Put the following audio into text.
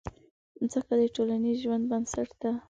مځکه د ټولنیز ژوند بنسټ ده.